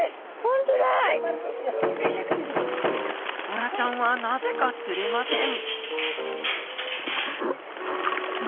ボラちゃんはなぜか釣れません